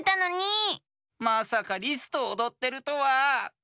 まさかリスとおどってるとは！